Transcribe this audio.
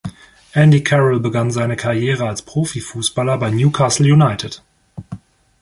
Andy Carroll begann seine Karriere als Profifußballer bei Newcastle United.